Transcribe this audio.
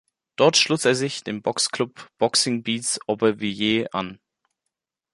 Dort schloss er sich dem Boxclub "Boxing Beats Aubervilliers" an.